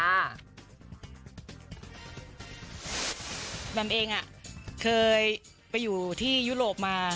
แมมเองเคยไปอยู่ที่ยุโรปมา